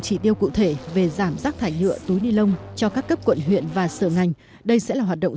chỉ tiêu cụ thể về giảm rác thải nhựa túi ni lông cho các cấp quận huyện và sở ngành đây sẽ là hoạt động